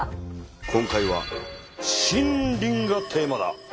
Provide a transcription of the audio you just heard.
今回は「森林」がテーマだ。